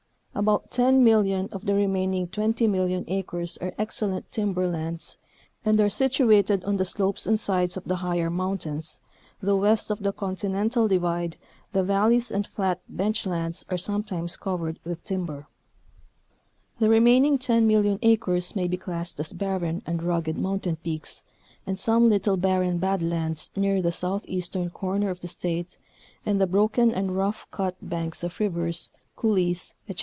About 10,000,000 of the remaining 20,000,000 acres are excel lent timber lands and are situated on the slopes and sides of the higher mountains, though west of the Continental Divide the valleys and flat bench lands are sometimes covered with timber, The Lrrigation Problem in Montana. 219 The remaining 10,000,000 acres may be classed as barren and rugged mountain peaks and some little barren "bad lands" near the southeastern corner of the State, and the broken and rough _cut banks of rivers, " couleés,"' etc.